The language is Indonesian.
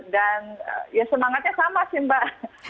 dan semangatnya sama sih mbak